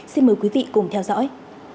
xin mời quý vị cùng theo dõi